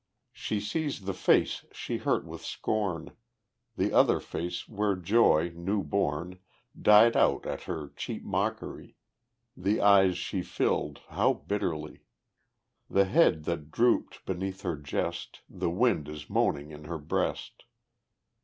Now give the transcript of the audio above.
She sees the face she hurt with scorn, The other face where joy, new born, Died out at her cheap mockery; The eyes she filled, how bitterly! The head that drooped beneath her jest The wind is moaning in her breast.